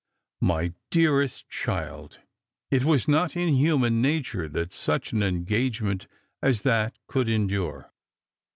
"" My dearest child, it was not in human nature that such an en gagement as that could endure.